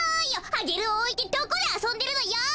アゲルをおいてどこであそんでるのよ。